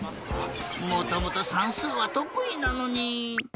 もともとさんすうはとくいなのに。